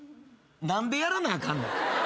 何でやらなあかんねん。